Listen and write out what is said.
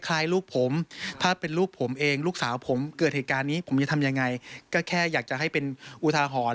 ก็แค่อยากจะให้เป็นอุทาหรณ์